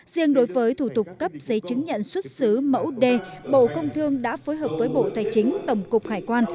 riêng đối với thủ tục cấp giấy chứng nhận xuất xứ mẫu đê bộ công thương đã phối hợp với bộ tài chính tổng cục hải quan